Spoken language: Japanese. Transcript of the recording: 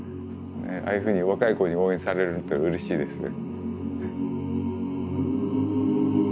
ああいうふうに若い子に応援されるっていうのはうれしいですね。